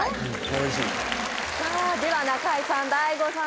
おいしいさあでは中居さん大悟さん